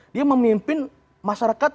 dia memimpin masyarakat